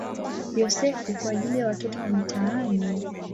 Yosefu" kwa ajili ya watoto wa mitaani.